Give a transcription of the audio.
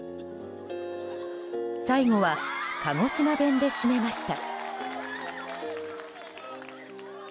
最後は鹿児島弁で締めました。